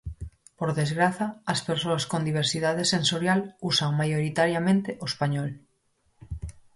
Por desgraza, as persoas con diversidade sensorial usan maioritariamente o español.